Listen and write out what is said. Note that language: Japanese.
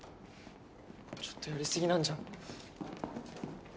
ちょっとやり過ぎなんじゃ。